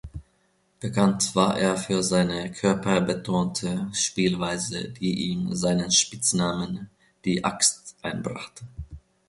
Bekannt war er für seine körperbetonte Spielweise, die ihm seinen Spitznamen „die Axt“ einbrachte.